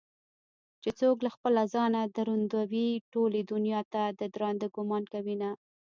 چې څوك له خپله ځانه دروندوي ټولې دنياته ددراندۀ ګومان كوينه